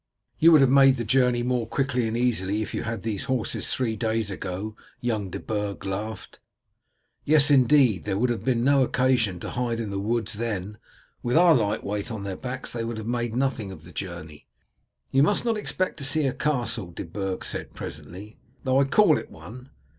"You would have made the journey more quickly and easily if you had had these horses three days ago," young De Burg laughed. "Yes, indeed. There would have been no occasion to hide in the woods then. With our light weight on their backs they would have made nothing of the journey." "You must not expect to see a castle," De Burg said presently, "though I call it one.